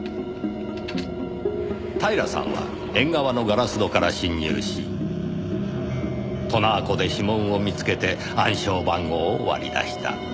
平さんは縁側のガラス戸から侵入しトナー粉で指紋を見つけて暗証番号を割り出した。